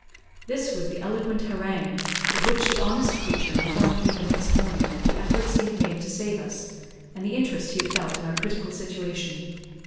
This was the eloquent harangue with which the honest creature informed me the next morning of the efforts he had made to save us, and the interest he had felt in our critical situation.